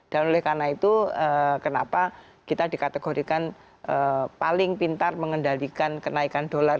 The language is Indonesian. dan oleh karena itu kenapa kita dikategorikan paling pintar mengendalikan kenaikan dolar